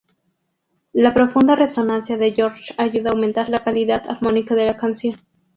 La profunda resonancia de George ayuda a aumentar la calidad armónica de la canción.